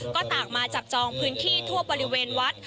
ก็ต่างมาจับจองพื้นที่ทั่วบริเวณวัด